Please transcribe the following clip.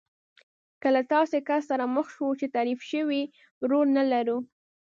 که له داسې کس سره مخ شو چې تعریف شوی رول نه لرو.